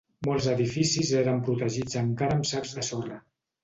Molts edificis eren protegits encara amb sacs de sorra